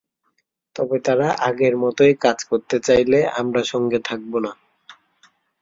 তবে তারা আগের মতোই কাজ করতে চাইলে, আমরা সঙ্গে থাকব না।